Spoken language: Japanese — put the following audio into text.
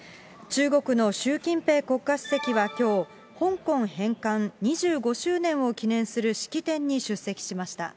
中国の習近平国家主席はきょう、香港返還２５周年を記念する式典に出席しました。